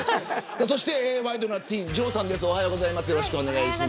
そしてワイドナティーン城さんです。